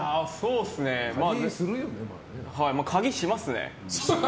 まあ鍵しますね。